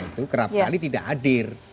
itu kerap kali tidak hadir